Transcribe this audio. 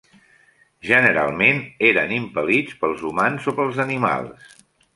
Generalment eren impel·lits pels humans o pels animals.